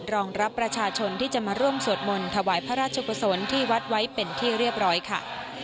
รองรับประชาชนที่จะมาร่วมสวดมนต์ถวายพระราชกุศลที่วัดไว้เป็นที่เรียบร้อยค่ะ